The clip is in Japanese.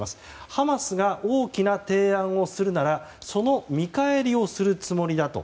ハマスが大きな提案をするならその見返りをするつもりだと。